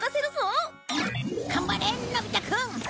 頑張れのび太くん！